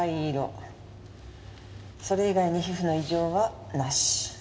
それ以外に皮膚の異常はなし。